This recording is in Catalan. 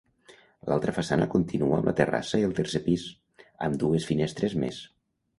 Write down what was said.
L'altra façana continua amb la terrassa i el tercer pis, amb dues finestres més.